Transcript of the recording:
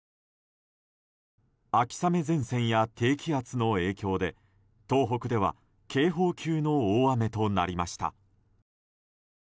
秋雨前線や低気圧の影響で東北では警報級の大雨となりました。